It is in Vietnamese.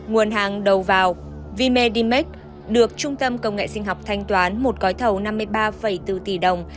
nguồn hàng đầu vào vmed demac được trung tâm công nghệ sinh học thanh toán một gói thầu năm mươi ba bốn tỷ đồng